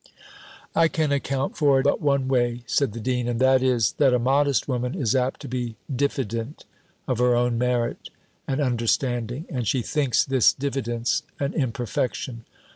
"I can account for it but one way," said the dean: "and that is, that a modest woman is apt to be diffident of her own merit and understanding and she thinks this diffidence an imperfection.